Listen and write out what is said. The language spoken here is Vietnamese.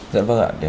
dạ vâng ạ